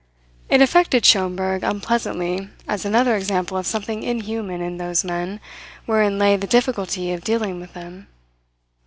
It affected Schomberg unpleasantly as another example of something inhuman in those men wherein lay the difficulty of dealing with them.